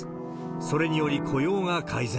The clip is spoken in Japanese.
それにより雇用が改善。